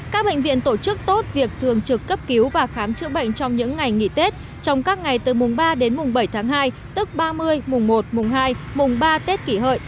các bệnh viện tổ chức tốt việc thường trực cấp cứu và khám chữa bệnh trong những ngày nghỉ tết trong các ngày từ mùng ba đến mùng bảy tháng hai tức ba mươi mùng một mùng hai mùng ba tết kỷ hợi